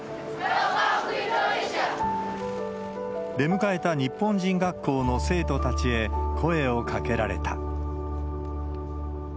出迎えた日本人学校の生徒たちへ声をかけられた。